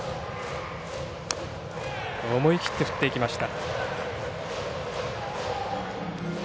思い切って振っていきました。